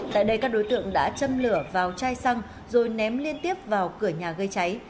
tại đây các đối tượng đã châm lửa vào chai xăng rồi ném liên tiếp vào cửa nhà gây cháy